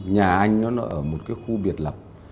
nhà anh nó ở một cái khu biệt lập